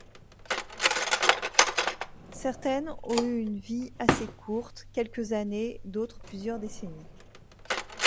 Certaines ont eu une vie assez courte, quelques années, d'autres plusieurs décennies.